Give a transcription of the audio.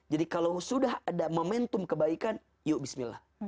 jadi kalau sudah ada momentum kebaikan yuk bismillah